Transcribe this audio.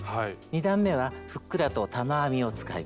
２段めはふっくらと玉編みを使いました。